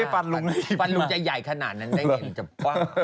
ฟันลุงจะใหญ่ขนาดนั้นได้เห็น